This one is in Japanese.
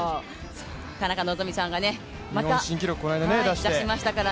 田中希実さんが日本新記録を出しましたから。